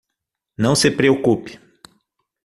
Não se preocupe